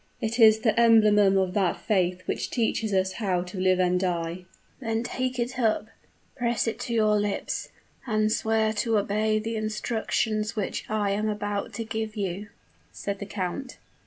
it is the emblem of that faith which teaches us how to live and die!" "Then take it up press it to your lips and swear to obey the instructions which I am about to give you," said the count.